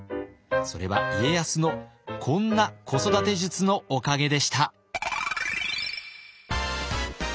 それは家康のこんな子育て術のおかげでした。